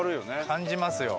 感じますよ。